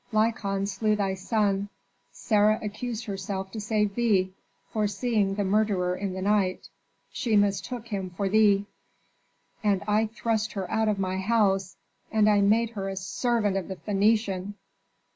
"Lykon slew thy son; Sarah accused herself to save thee, for seeing the murderer in the night she mistook him for thee." "And I thrust her out of my house! And I made her a servant of the Phœnician!"